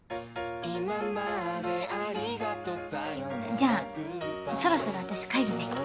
じゃあそろそろ私帰るね。